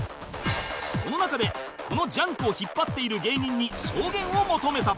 その中でこの『ＪＵＮＫ』を引っ張っている芸人に証言を求めた